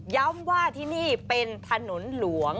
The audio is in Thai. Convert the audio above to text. ย้ำว่าที่นี่เป็นถนนหลวง